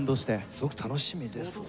すごく楽しみですね。